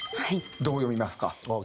どう読みますか？